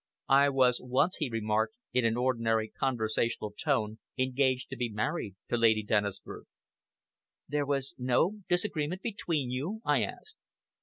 "I was once," he remarked, in an ordinary conversational tone, "engaged to be married to Lady Dennisford." "There was no disagreement between you?" I asked.